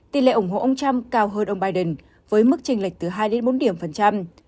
tỷ lệ ủng hộ ông trump cao hơn ông biden với mức tranh lệch từ hai đến bốn điểm phần trăm